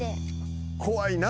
怖いな。